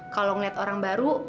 kalau ngeliat orang baru